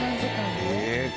⁉え？